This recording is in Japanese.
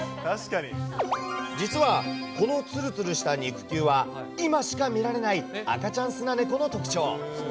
実はこのつるつるした肉球は、今しか見られない赤ちゃんスナネコの特徴。